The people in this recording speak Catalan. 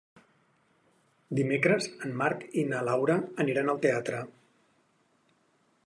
Dimecres en Marc i na Laura aniran al teatre.